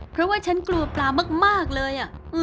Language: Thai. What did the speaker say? เพราะว่าฉันกลัวปลามากเลย